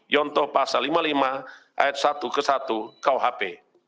yonto pasal lima puluh lima ayat satu ke satu kuhp